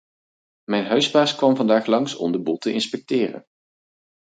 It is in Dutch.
Mijn huisbaas kwam vandaag langs om de boel te inspecteren.